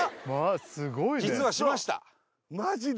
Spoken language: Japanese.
すごいね実はしましたマジで？